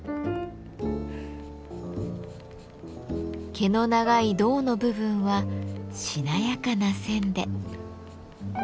毛の長い胴の部分はしなやかな線で。